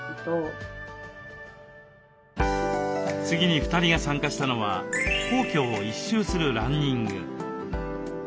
次に２人が参加したのは皇居を１周するランニング。